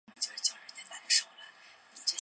鼠尾草叶荆芥为唇形科荆芥属下的一个种。